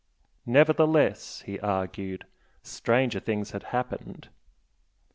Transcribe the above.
Nevertheless, he argued, stranger things had happened!